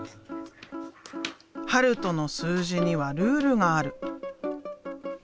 悠斗の数字にはルールがある。